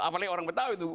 apalagi orang betawi tuh